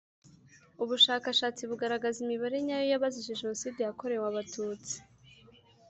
ubushakashatsi bugaragaza imibare nyayo y’ abazize Jenoside yakorewe Abatutsi